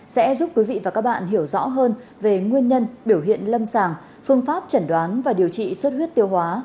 sẽ giúp quý vị và các bạn hiểu rõ hơn về nguyên nhân biểu hiện lâm sàng phương pháp chẩn đoán và điều trị suốt huyết tiêu hóa